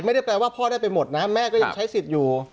ไม่ได้แปลว่าพ่อได้ไปหมดนะแม่ก็ยังใช้สิทธิ์อยู่